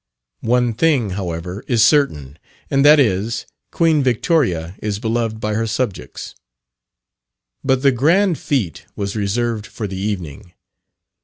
One thing, however, is certain, and that is Queen Victoria is beloved by her subjects. But the grand fete was reserved for the evening.